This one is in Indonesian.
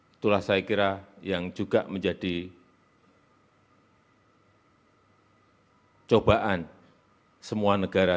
itulah saya kira yang juga menjadi cobaan semua negara